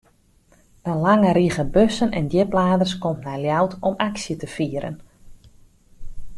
In lange rige bussen en djipladers komt nei Ljouwert om aksje te fieren.